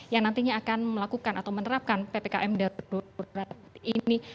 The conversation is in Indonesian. yang nantinya akan melakukan atau menerapkan ppkm darurat ini